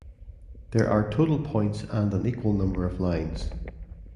There are total points and an equal number of lines.